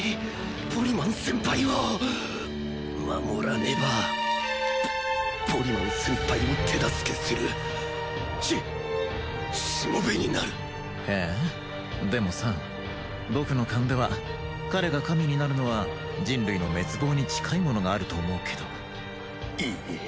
ポリマン先輩を守らねばポポリマン先輩を手助けするししもべになるへえでもさ僕の勘では彼が神になるのは人類の滅亡に近いものがあると思うけどいい